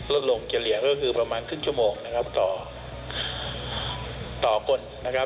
ลดลงเจรียร์ก็คือประมาณครึ่งชั่วโมงต่อคน